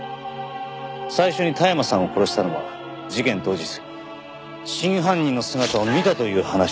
最初に田山さんを殺したのは事件当日真犯人の姿を見たという話をしていたから。